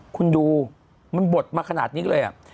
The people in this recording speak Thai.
คุณดูมันบดมาขนาดนี้เลย